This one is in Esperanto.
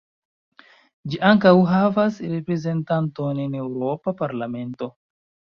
Ĝi ankaŭ havas reprezentanton en Eŭropa Parlamento.